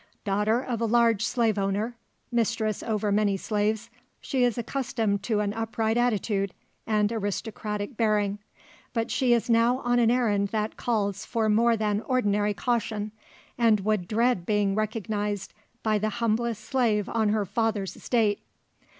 Daughter of a large slave owner mistress over many slaves she is accustomed to an upright attitude, and aristocratic bearing. But she is now on an errand that calls for more than ordinary caution, and would dread being recognised by the humblest slave on her father's estate.